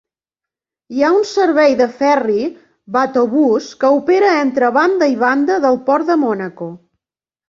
Hi ha un servei de ferri "Bateaubus" que opera entre banda i banda del port de Mònaco.